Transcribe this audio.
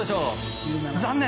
残念。